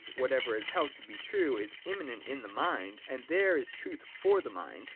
that whatever is held to be true is immanent in the mind, and that there is truth for the mind (§ 63).